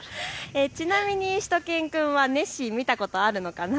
ちなみにしゅと犬くんはネッシー見たことあるのかな。